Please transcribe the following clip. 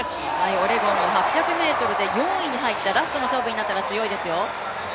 オレゴンの８００ｍで４位に入ったラストの勝負になったら強いですよ。